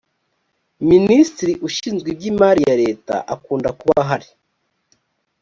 minisitiri ushinzwe iby ‘imari ya leta akunda kuba ahari.